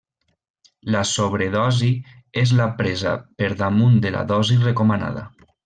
La sobredosi és la presa per damunt de la dosi recomanada.